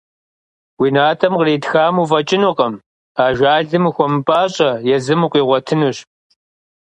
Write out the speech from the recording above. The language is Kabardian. Уи натӀэм къритхам уфӀэкӀынукъым, ажалым ухуэмыпӀащӀэ, езым укъигъуэтынущ.